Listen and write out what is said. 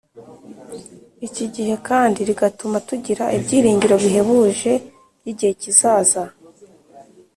Iki gihe kandi rigatuma tugira ibyiringiro bihebuje by igihe kizaza